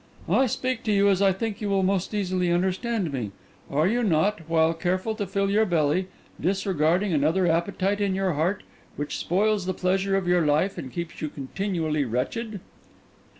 I speak to you as I think you will most easily understand me. Are you not, while careful to fill your belly, disregarding another appetite in your heart, which spoils the pleasure of your life and keeps you continually wretched?"